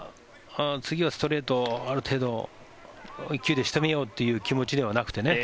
次はストレートある程度、１球で仕留めようという気持ちではなくてね。